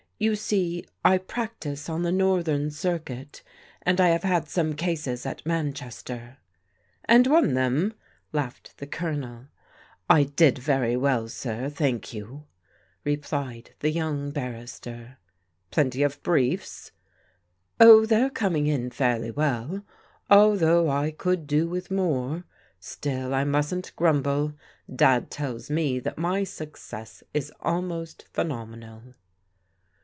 You see I practise on the Northern Circuit, and I have had some cases at Manchester."' And won them ?" laughed the Colonel. 206 i€ THE SPIRIT OF THE AGE 207 "I did very well, sir, thank you/' replied the young barrister. "Plenty of briefs?" " Oh, they're coming in fairly well. Although I could do with more. Still I mustn't gnmible. Dad tells me that my success is almost phenomenal."